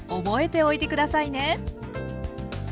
覚えておいて下さいね。